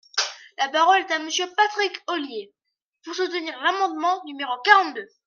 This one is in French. La parole est à Monsieur Patrick Ollier, pour soutenir l’amendement numéro quarante-deux.